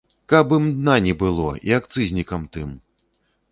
Каб ім дна не было і акцызнікам тым!